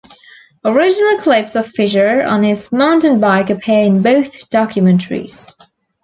Original clips of Fisher on his mountain bike appear in both documentaries.